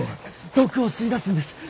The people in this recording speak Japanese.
毒を吸い出すんです。